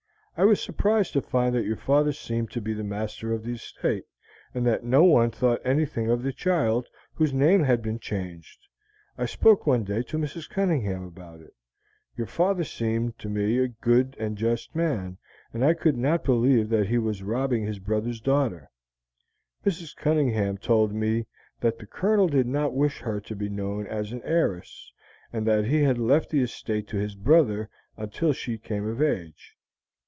I was surprised to find that your father seemed to be master of the estate, and that no one thought anything of the child, whose name had been changed. I spoke one day to Mrs. Cunningham about it; your father seemed to me a just and good man, and I could not believe that he was robbing his brother's daughter. Mrs. Cunningham told me that the Colonel did not wish her to be known as an heiress, and that he had left the estate to his brother until she came of age.